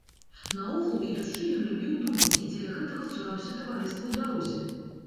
Наогул, ідучы, ён любіў думаць і дзеля гэтага цураўся таварыства ў дарозе.